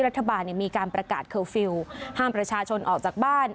รัฐบาลมีการประกาศเคอร์ฟิลล์ห้ามประชาชนออกจากบ้าน